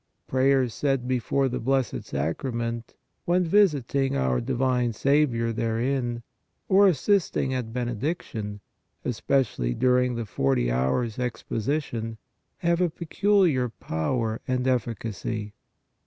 Prayers said before the Blessed Sacrament, when visiting our divine Saviour therein, or assisting at Benediction, especially during the 40 Hours Exposition, have a peculiar power and efficacy.